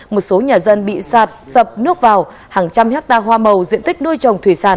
một số nhà dân bị sạt sập nước vào hàng trăm hecta hoa màu diện tích nuôi trồng thủy sản bị ngập nước